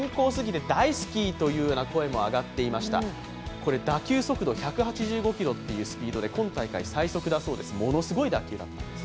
これ、打球速度１８５キロというスピードで今大会最速だそうで、ものすごい打球だったんです。